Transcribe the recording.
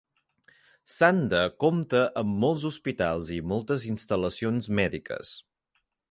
Sanda compta amb molts hospitals i moltes instal·lacions mèdiques.